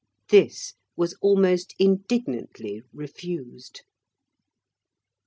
This was almost indignantly refused.